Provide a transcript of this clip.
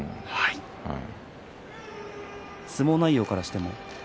相撲内容からしても。